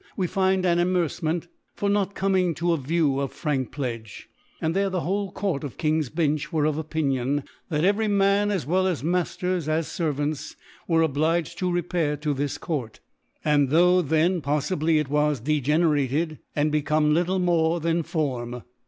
we find an Amercemenc for not coming to a View of Frankpledge \ and there the whole Court of Ki'ng'&&nch were of Opinion, that every Man, as well Mailers as Senrants; were obliged to repair to this Court f \ tho* then pofllbly it was degenerated, and be » tome little nwre than Form.